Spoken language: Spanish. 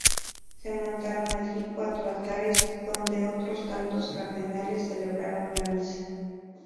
Se montaron allí cuatro altares donde otros tantos cardenales celebraron la misa.